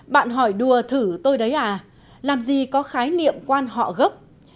bạn hỏi đùa thử tôi đấy à làm gì có khái niệm quan họ gốc